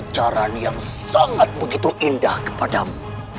cara yang sangat begitu indah kepadamu